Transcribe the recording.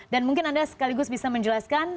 dan mungkin anda sekaligus bisa menjelaskan